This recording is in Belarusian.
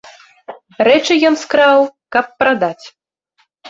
Рэчы ён скраў, каб прадаць.